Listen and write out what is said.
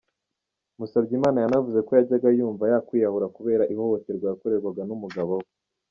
Musabyimana yanavuze ko yajyaga yumva yakwiyahura kubera ihohoterwa yakorerwaga n’umugabo we.